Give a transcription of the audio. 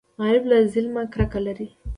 غریب له ظلمه کرکه لري